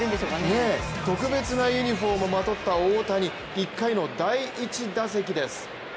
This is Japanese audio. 特別なユニフォームをまとった大谷、１回の第１打席です。